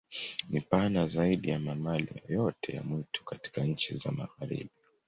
Ni pana zaidi ya mamalia yoyote ya mwitu katika nchi za Magharibi.